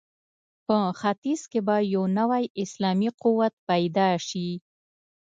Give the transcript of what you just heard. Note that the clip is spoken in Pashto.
په ختیځ کې به یو نوی اسلامي قوت پیدا شي.